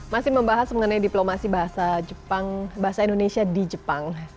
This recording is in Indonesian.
masih membahas mengenai diplomasi bahasa jepang bahasa indonesia di jepang